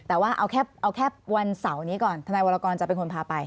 แต่ว่าเอาแค่วันเสาร์นี้ก่อนทนายวรกรจะเป็นคนพาไป